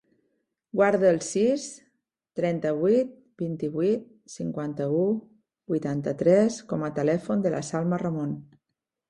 Guarda el sis, trenta-vuit, vint-i-vuit, cinquanta-u, vuitanta-tres com a telèfon de la Salma Ramon.